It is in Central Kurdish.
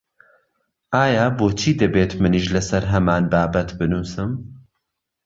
ئایا بۆچی دەبێت منیش لەسەر هەمان بابەت بنووسم؟